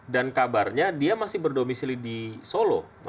dan kabarnya dia masih berdomisili di solo